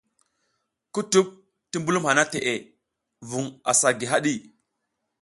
Kutuɓ ti mbulum hana teʼe vun asa gi haɗi.